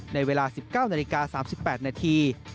ในเวลา๑๙นาฬิกา๓๘นาที